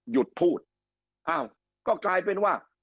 หยุดพูดอ้าวก็กลายเป็นว่า